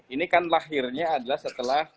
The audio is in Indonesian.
ini kan lahirnya adalah setelah